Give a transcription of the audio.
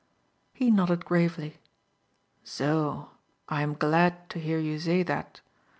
He nodded gravely. "Zo! I am glad to hear you zay zat.